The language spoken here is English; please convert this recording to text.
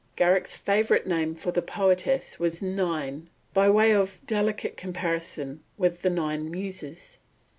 Garrick's favourite name for the poetess was "Nine," by way of delicate comparison with the nine muses.